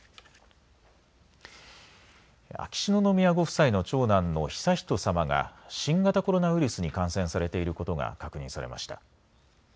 秋篠宮ご夫妻の長男の悠仁さまが新型コロナウイルスに感染されていることが確認されました。